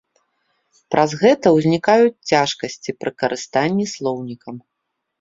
Праз гэта ўзнікаюць цяжкасці пры карыстанні слоўнікам.